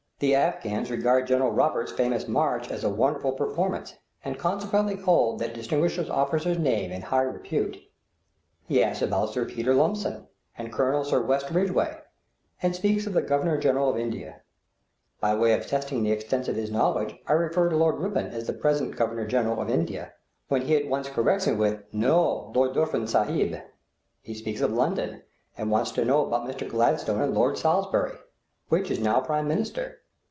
The Afghans regard General Roberts' famous march as a wonderful performance, and consequently hold that distinguished officer's name in high repute. He asks about Sir Peter Lumsden and Colonel Sir West Ridgeway; and speaks of the Governor General of India. By way of testing the extent of his knowledge, I refer to Lord Ripon as the present Governor General of India, when he at once corrects me with, "No; Lord Dufferin Sahib." He speaks of London, and wants to know about Mr. Gladstone and Lord Salisbury which is now Prime Minister?